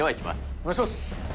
お願いします。